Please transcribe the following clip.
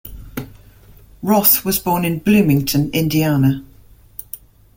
Roth was born in Bloomington, Indiana.